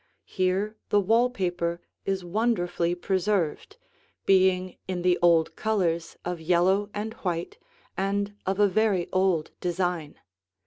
Here the wall paper is wonderfully preserved, being in the old colors of yellow and white and of a very old design.